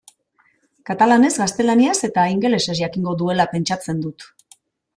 Katalanez, gaztelaniaz eta ingelesez jakingo duela pentsatzen dut.